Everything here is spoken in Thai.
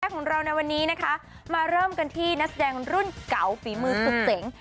ของเราในวันนี้นะคะมาเริ่มกันที่นักแสดงรุ่นเก่าฝีมือสุดเจ๋ง